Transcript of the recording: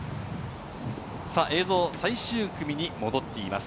映像は最終組に戻っています。